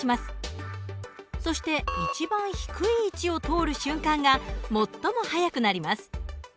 そして一番低い位置を通る瞬間が最も速くなります。